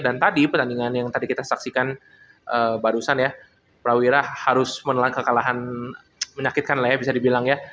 dan tadi pertandingan yang tadi kita saksikan barusan ya prawira harus menelan kekalahan menyakitkan lah ya bisa dibilang ya